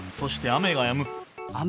雨がやむ。